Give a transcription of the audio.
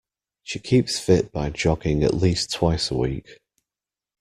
She keeps fit by jogging at least twice a week.